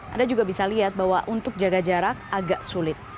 anda juga bisa lihat bahwa untuk jaga jarak agak sulit